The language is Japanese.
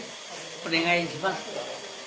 お願いします」